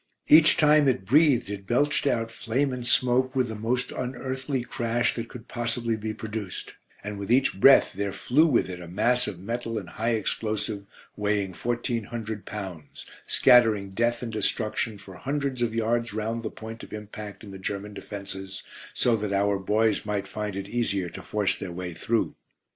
Each time it breathed it belched out flame and smoke with the most unearthly crash that could possibly be produced, and with each breath there flew with it a mass of metal and high explosive weighing fourteen hundred pounds, scattering death and destruction for hundreds of yards round the point of impact in the German defences, so that our boys might find it easier to force their way through.